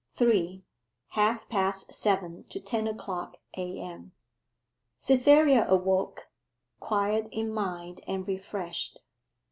3. HALF PAST SEVEN TO TEN O'CLOCK A.M. Cytherea awoke, quiet in mind and refreshed.